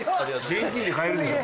現金で買えるでしょ。